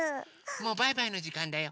もうバイバイのじかんだよ。